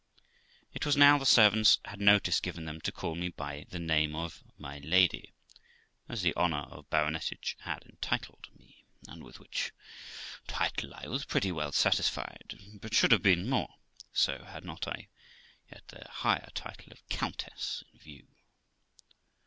It was now the servants had notice given them to call me by the name of ' my lady ', as the honour of baronetage had entitled me, and with which title I was pretty well satisfied, but should have been more so had not I yet the higher title of countess in view.